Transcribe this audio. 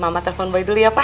mama telpon boy dulu ya pak